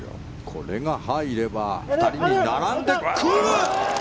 これが入れば２人に並んでくる！